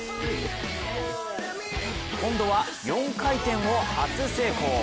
今度は４回転を初成功。